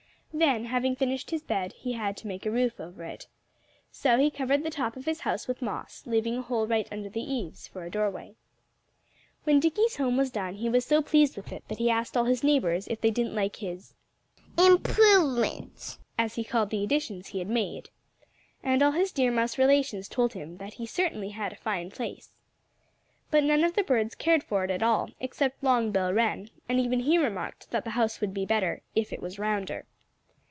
Then, having finished his bed, he had to make a roof over it. So he covered the top of his house with moss, leaving a hole right under the eaves, for a doorway. When Dickie's home was done he was so pleased with it that he asked all his neighbors if they didn't like his "improvements," as he called the additions he had made. And all his Deer Mouse relations told him that he certainly had a fine place. But none of the birds cared for it at all, except Long Bill Wren; and even he remarked that the house would be better "if it was rounder."